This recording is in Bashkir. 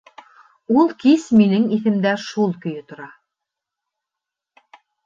Ул кис минең иҫемдә шул көйө тора.